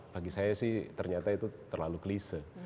bagi saya sih ternyata itu terlalu klise